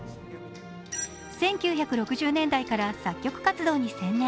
１９６０年代から作曲活動に専念。